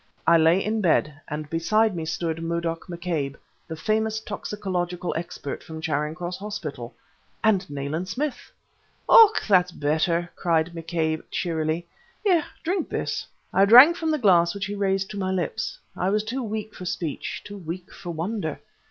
I lay in bed, and beside me stood Murdoch McCabe, the famous toxicological expert from Charing Cross Hospital and Nayland Smith! "Ah, that's better!" cried McCabe cheerily. "Here drink this." I drank from the glass which he raised to my lips. I was too weak for speech, too weak for wonder.